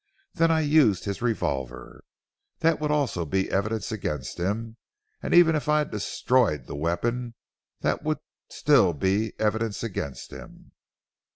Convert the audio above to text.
Then I used his revolver. That would also be evidence against him, and even if I destroyed the weapon that would still be evidence against him.